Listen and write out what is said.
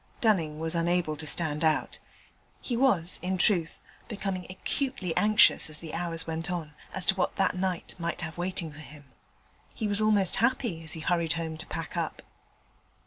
Dunning was unable to stand out: he was, in truth, becoming acutely anxious, as the hours went on, as to what that night might have waiting for him. He was almost happy as he hurried home to pack up.